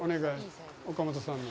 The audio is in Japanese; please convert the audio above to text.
岡本さんに。